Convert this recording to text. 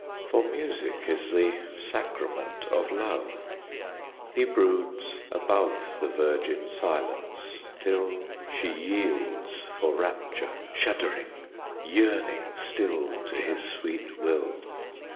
For music is the sacrament of love; He broods above The virgin silence, till She yields for rapture shuddering, yearning still To his sweet will.